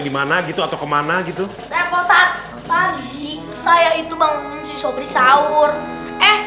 dimana gitu atau kemana gitu repotat tadi saya itu bangun si sobri saur eh